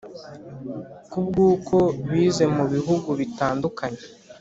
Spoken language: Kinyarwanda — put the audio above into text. kubw’ uko bize mubihugu bitandukanye.